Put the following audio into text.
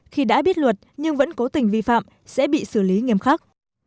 khi đã biết luật nhưng vẫn cố tình vi phạm sẽ bị xử lý nghiêm khắc